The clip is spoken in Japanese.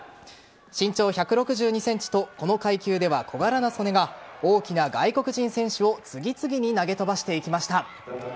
身長１６２ｃｍとこの階級では小柄な素根が大きな外国人選手を次々に投げ飛ばしていきました。